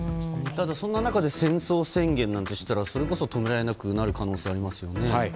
そんな中で戦争宣言なんてしたらそれこそ止められなくなる可能性がありますよね。